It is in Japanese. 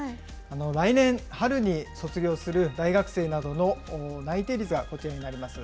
来年春に卒業する大学生などの内定率がこちらになります。